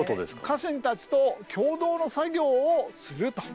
家臣たちと共同の作業をすると。